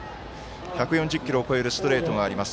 １４０キロを超えるストレートがあります。